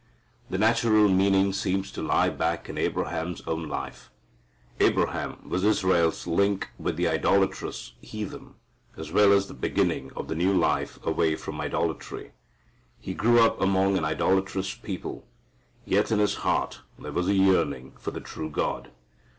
The natural meaning seems to lie back in Abraham's own life. Abraham was Israel's link with the idolatrous heathen, as well as the beginning of the new life away from idolatry. He grew up among an idolatrous people, yet in his heart there was a yearning for the true God.